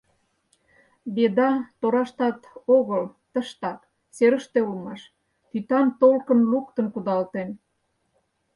«Беда» тораштат огыл, тыштак, серыште улмаш, тӱтан толкын луктын кудалтен.